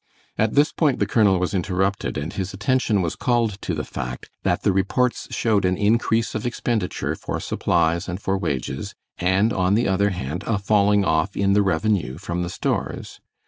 At this point the colonel was interrupted, and his attention was called to the fact that the reports showed an increase of expenditure for supplies and for wages, and on the other hand a falling off in the revenue from the stores.